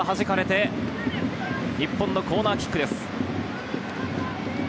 日本のコーナーキックです。